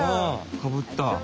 かぶった！